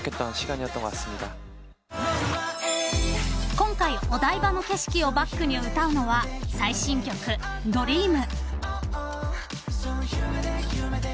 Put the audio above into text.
［今回お台場の景色をバックに歌うのは最新曲『ＤＲＥＡＭ』］